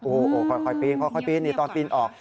โอ้โหค่อยปีนตอนปีนออก